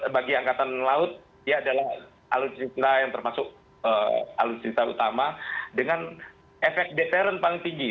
bagi angkatan laut dia adalah alutsista yang termasuk alutsista utama dengan efek deteren paling tinggi